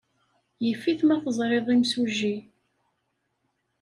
Yif-it ma teẓriḍ imsujji.